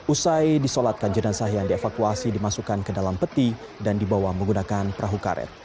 usai disolatkan jenazah yang dievakuasi dimasukkan ke dalam peti dan dibawa menggunakan perahu karet